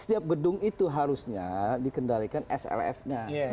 setiap gedung itu harusnya dikendalikan slf nya